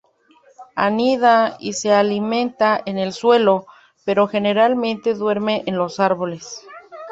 Anida y se alimenta en el suelo, pero generalmente duerme en los árboles.